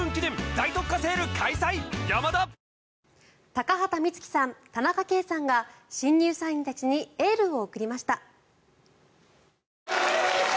高畑充希さん田中圭さんが新入社員たちにエールを送りました。